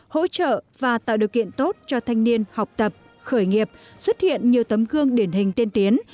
hỗ trợ và tạo điều kiện tốt cho thanh niên học tập khởi nghiệp xuất hiện nhiều tấm gương điển hình tiên tiến